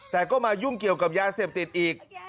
แต่ก็มายุ่งเกี่ยวกับยาเสพติดอีก